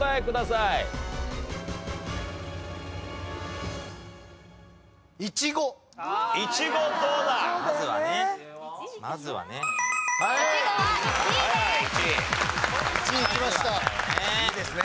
いいですね。